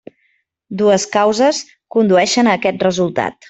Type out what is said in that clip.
Dues causes condueixen a aquest resultat.